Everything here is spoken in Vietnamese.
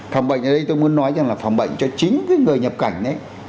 phòng bệnh ở đây tôi muốn nói rằng là phòng bệnh cho chính cái người nhập cảnh đấy